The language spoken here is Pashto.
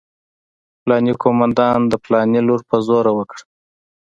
پلانکي قومندان د پلاني لور په زوره وکړه.